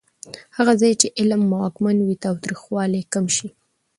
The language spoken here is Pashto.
هغه ځای چې علم واکمن وي، تاوتریخوالی کم شي.